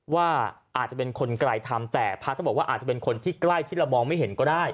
ว่าอาจจะเป็นคนไกลทำแต่พระท่านบอกว่าอาจจะเป็นคนที่ใกล้ที่เรามองไม่เห็นก็ได้